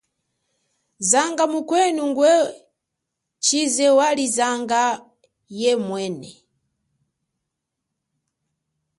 Zanga mukwenu ngwechize wali zanga yemwene.